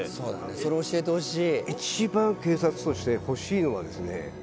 それ教えてほしい。